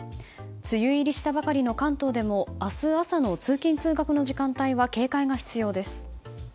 梅雨入りしたばかりの関東でも明日朝の通勤・通学の時間帯は警戒が必要です。